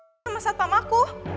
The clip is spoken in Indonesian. mas apa masat pam aku